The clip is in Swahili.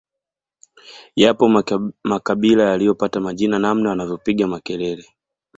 Yapo makabila yaliyopata majina namna wanavyopiga makelele